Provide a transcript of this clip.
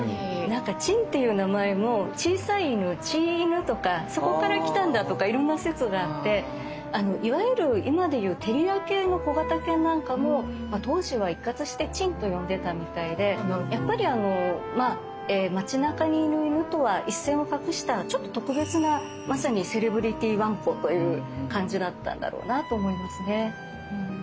なんか「狆」っていう名前も小さい犬ちい犬とかそこからきたんだとかいろんな説があっていわゆる今で言うテリア系の小型犬なんかも当時は一括して「狆」と呼んでたみたいでやっぱり町なかにいる犬とは一線を画したちょっと特別なまさにセレブリティわんこという感じだったんだろうなぁと思いますね。